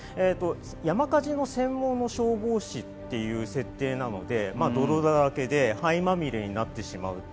山火事の専門の消防士という設定なので泥だらけで灰まみれになってしまいます。